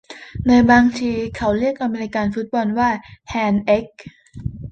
ในบางที่เขาเรียกอเมริกันฟุตบอลว่าแฮนด์เอ๊ก